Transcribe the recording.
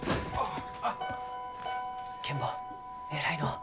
ケン坊偉いのう。